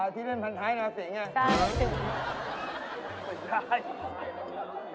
ที่เล่นพันท้ายนะฟิล์นอะ